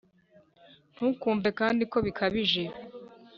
ntukumve kandi ko bikabije